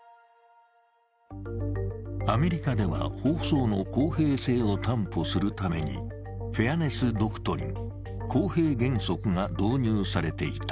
アメリカでは、放送の公平性を担保するためにフェアネス・ドクトリン＝公平原則が導入されていた。